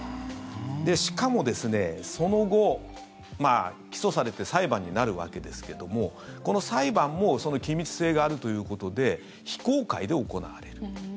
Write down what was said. しかも、その後、起訴されて裁判になるわけですけどもこの裁判も機密性があるということで非公開で行われる。